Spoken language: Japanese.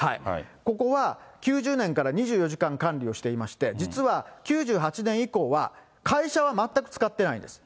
ここは、９０年から２４時間管理をしていまして、実は９８年以降は、会社は全く使っていないんです。